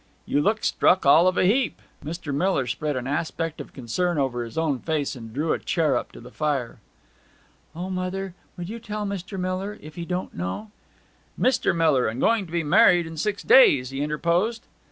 'You look struck all of a heap.' Mr. Miller spread an aspect of concern over his own face, and drew a chair up to the fire. 'O mother, would you tell Mr. Miller, if he don't know?' 'Mister Miller! and going to be married in six days!' he interposed.